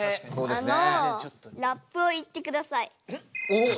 あのラップを言ってください。